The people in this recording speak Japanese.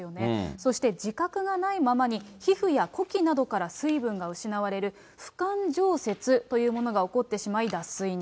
そして自覚がないままに、皮膚や呼気などから水分が失われる不感蒸泄というものが起こってしまい、脱水に。